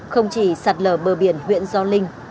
không chỉ sạt lờ bờ biển huyện do linh